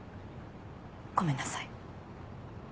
ごめんなさい。